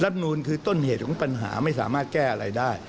นูลคือต้นเหตุของปัญหาไม่สามารถแก้อะไรได้